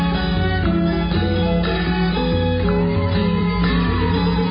ขอบคุณรัมภาพสุภาคต์ก่อนเนี่ย